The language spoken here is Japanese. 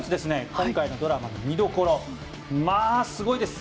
今回のドラマの見どころすごいです。